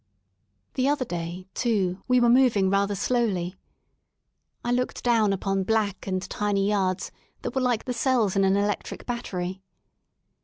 The other day, too, we were moving rather slowly I looked down upon black and tiny yards that were like the cells in an electric battery.